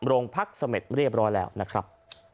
โรงพักเสม็ดเรียบร้อยแล้วนะครับ